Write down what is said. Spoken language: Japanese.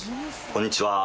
こんにちは。